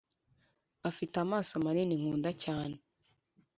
afite amaso manini nkunda cyane